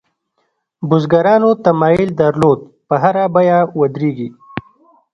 بزګرانو تمایل درلود په هره بیه ودرېږي.